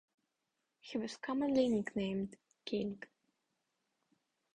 He was commonly nicknamed "King".